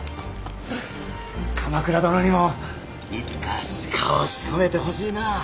鎌倉殿にもいつか鹿をしとめてほしいなあ。